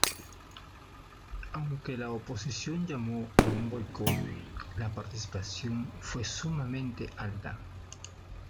Aunque la oposición llamó a un boicot, la participación fue sumamente alta.